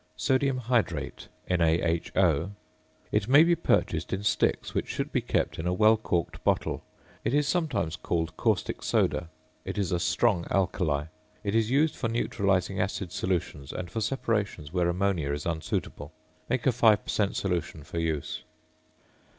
~Sodium Hydrate~, NaHO. It may be purchased in sticks, which should be kept in a well corked bottle. It is sometimes called "caustic soda." It is a strong alkali. It is used for neutralizing acid solutions and for separations where ammonia is unsuitable. Make a 5 per cent. solution for use.